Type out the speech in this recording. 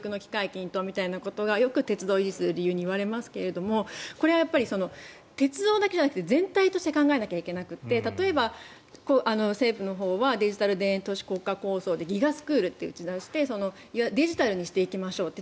均等みたいなことがよく鉄道ユースの理由に言われますが鉄道だけじゃなくて全体として考えなきゃいけなくて政府のほうはデジタル田園都市国家構想でギガスクールと打ち出してデジタルにしていきましょうと。